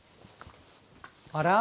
あら？